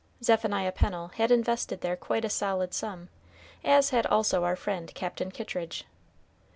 Zephaniah Pennel had invested there quite a solid sum, as had also our friend Captain Kittridge.